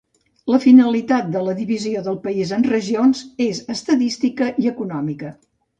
La finalitat de la divisió del país en regions és estadística i econòmica.